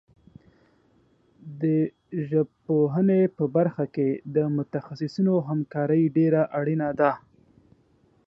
د ژبپوهنې په برخه کې د متخصصینو همکاري ډېره اړینه ده.